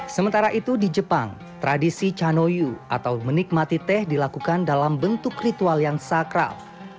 sementara itu di jepang tradisi chanoyu atau menikmati teh dilakukan dalam bentuk ritual yang sakral